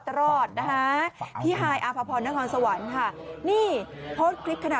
ตลอดนะคะพี่หายอะพระพรนัทธรรมสวรรค์ค่ะนี่โพสต์คริปขณะ